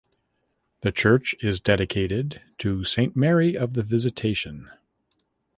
The church is dedicated to St Mary of the Visitation.